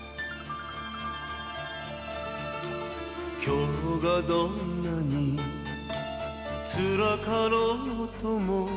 「今日がどんなにつらかろうとも」